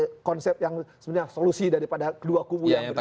ini konsep yang sebenarnya solusi daripada kedua kubu yang benar